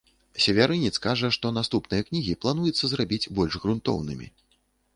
Севярынец кажа, што наступныя кнігі плануецца зрабіць больш грунтоўнымі.